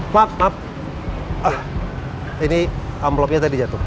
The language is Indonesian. pak ini envelope nya tadi jatuh